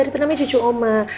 itu namanya cucu oma